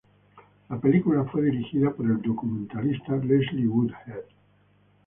La película fue dirigida por el documentalista Leslie Woodhead.